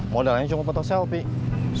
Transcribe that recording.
modalanya cuma foto selfie